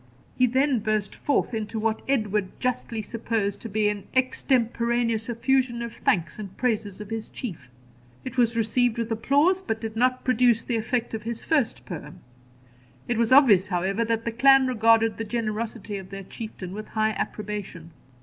He then burst forth into what Edward justly supposed to be an extemporaneous effusion of thanks and praises of his Chief. It was received with applause, but did not produce the effect of his first poem. It was obvious, however, that the clan regarded the generosity of their Chieftain with high approbation.